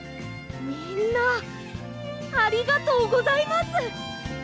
みんなありがとうございます！